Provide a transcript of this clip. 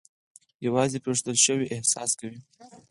یوازې پرېښودل شوی احساس کوي.